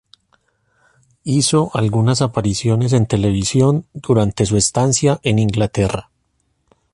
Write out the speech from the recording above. Hizo algunas apariciones en televisión durante su estancia en Inglaterra.